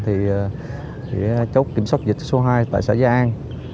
thì chốt kiểm soát dịch số hai tại xã gia an